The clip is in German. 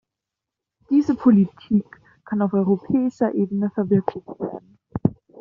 Diese Politik kann auf europäischer Ebene verwirklicht werden.